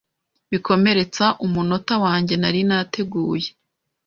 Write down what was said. bikomeretsa umunota wanjye narinateguye